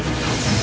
aku akan menang